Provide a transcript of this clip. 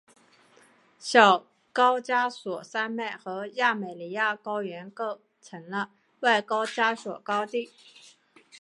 小高加索山脉和亚美尼亚高原构成了外高加索高地。